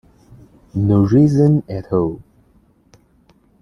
No reason at all.